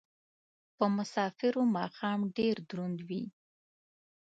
په مسافرو ماښام ډېر دروند وي